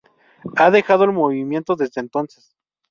Ha dejado el movimiento desde entonces.